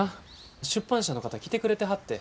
出版社の方来てくれてはって。